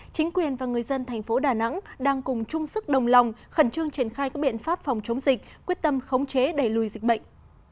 chính quyền và người dân thành phố đà nẵng đang cùng chung sức đồng lòng khẩn trương triển khai các biện pháp phòng chống dịch quyết tâm khống chế đẩy lùi dịch bệnh